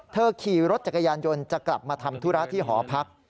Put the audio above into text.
ขี่รถจักรยานยนต์จะกลับมาทำธุระที่หอพัก